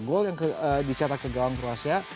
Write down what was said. gol yang dicetak ke gawang kroasia